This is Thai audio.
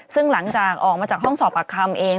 ซึ่งหลังจากออกมาจากห้องสอบปากคำเอง